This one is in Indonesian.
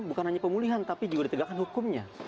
bukan hanya pemulihan tapi juga ditegakkan hukumnya